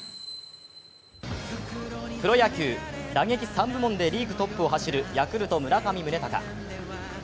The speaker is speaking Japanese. プロ野球リーグ打撃３部門でトップを走るヤクルト・村上宗隆。